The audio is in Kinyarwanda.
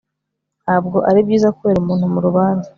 nta bwo ari byiza kubera umuntu mu rubanza